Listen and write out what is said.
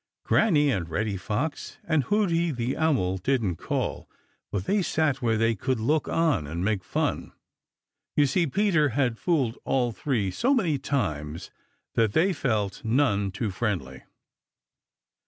Granny and Reddy Fox and Hooty the Owl didn't call, but they sat where they could look on and make fun. You see, Peter had fooled all three so many times that they felt none too friendly.